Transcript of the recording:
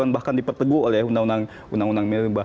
bahkan dipertegu oleh undang undang milibah